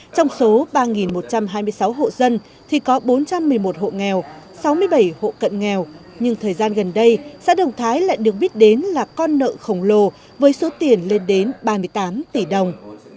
trong số ba một trăm hai mươi sáu hộ dân thì có bốn trăm một mươi một hộ nghèo sáu mươi bảy hộ cận nghèo nhưng thời gian gần đây xã đồng thái lại được biết đến là con nợ khổng lồ với số tiền lên đến ba mươi tám tỷ đồng